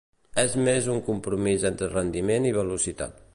És més un compromís entre rendiment i velocitat.